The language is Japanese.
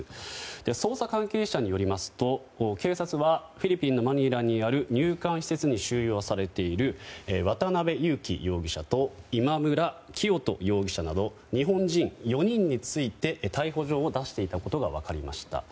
捜査関係者によりますと警察はフィリピンのマニラにある入管施設に収容されている渡邉優樹容疑者と今村磨人容疑者など日本人４人について逮捕状を出していたことが分かりました。